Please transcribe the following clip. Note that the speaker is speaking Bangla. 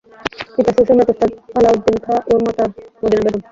পিতা সুর সম্রাট ওস্তাদ আলাউদ্দিন খাঁ ও মাতা মদিনা বেগম।